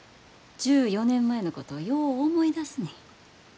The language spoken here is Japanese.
１４年前のことよう思い出すねん。